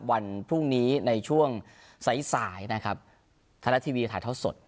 วันพรุ่งนี้ในช่วงสายสายนะครับไทยรัฐทีวีถ่ายทอดสด